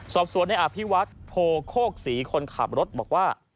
สอบสวนในอภิวัฒน์โพโคกศรีคนขับรถบอกว่า